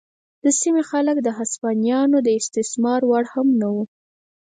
د سیمې خلک د هسپانویانو د استثمار وړ هم نه وو.